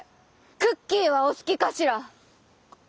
クッキーはお好きかしら？